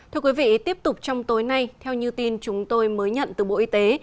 thưa quý vị tiếp tục trong tối nay theo như tin chúng tôi mới nhận từ bộ y tế